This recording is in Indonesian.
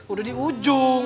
udah di ujung